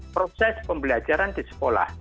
proses pembelajaran di sekolah